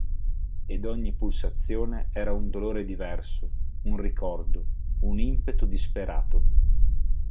Ed ogni pulsazione era un dolore diverso, un ricordo, un impeto disperato.